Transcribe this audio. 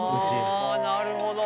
あなるほど！